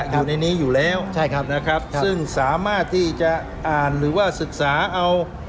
อยู่ในนี้อยู่แล้วซึ่งสามารถที่จะอ่านหรือว่าศึกษาเอา